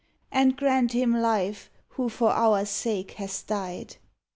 And grant him life, who for our sake hast died!"